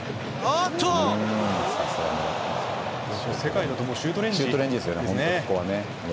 世界だとシュートレンジですね。